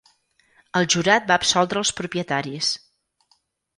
El jurat va absoldre els propietaris.